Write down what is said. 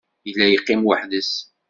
Yella yeqqim weḥd-s.